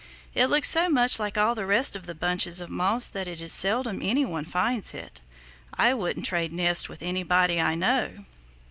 It looks so much like all the rest of the bunches of moss that it is seldom any one finds it. I wouldn't trade nests with anybody I know."